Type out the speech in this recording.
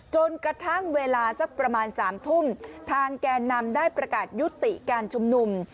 จนกระทั่งเวลาสักประมาณ๓ทุ่มทางแก่นำได้ประกาศยุติการชุมนุม